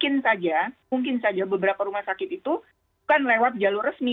mungkin saja mungkin saja beberapa rumah sakit itu bukan lewat jalur resmi